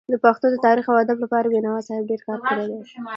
د پښتو د تاريخ او ادب لپاره بينوا صاحب ډير کار کړی دی.